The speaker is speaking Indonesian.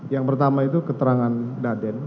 yang pertama itu keterangan daden